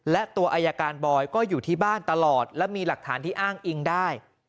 และตัวอายการบอยก็อยู่ที่บ้านตลอดและมีหลักฐานที่อ้างอิงได้